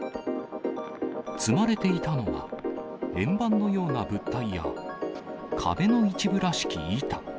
積まれていたのは、円盤のような物体や、壁の一部らしき板。